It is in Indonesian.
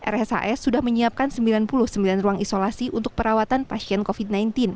rshs sudah menyiapkan sembilan puluh sembilan ruang isolasi untuk perawatan pasien covid sembilan belas